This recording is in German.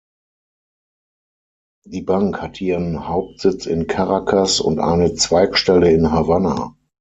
Die Bank hat ihren Hauptsitz in Caracas und eine Zweigstelle in Havanna.